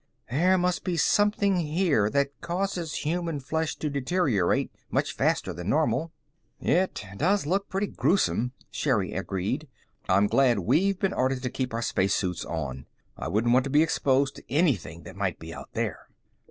There must be something here that causes human flesh to deteriorate much faster than normal." "It does look pretty gruesome," Sherri agreed. "I'm glad we've been ordered to keep our spacesuits on. I wouldn't want to be exposed to anything that might be out there."